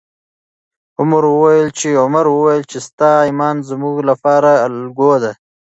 عمر وویل چې ستا ایمان زموږ لپاره الګو ده.